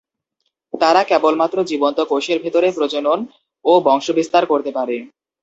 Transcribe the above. তারা কেবলমাত্র জীবন্ত কোষের ভেতরে প্রজনন ও বংশবিস্তার করতে পারে।